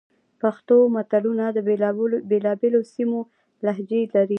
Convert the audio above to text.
پښتو متلونه د بېلابېلو سیمو لهجې لري